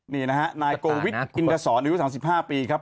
นี่นะฮะนายโกวิทอินทศรอายุ๓๕ปีครับ